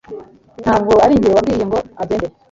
Ntabwo ari njye wabwiye ngo agende